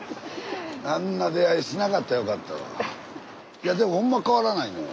いやでもほんま変わらないよ。